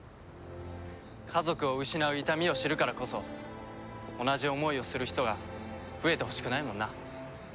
家族を失う痛みを知るからこそ同じ思いをする人が増えてほしくないもんな。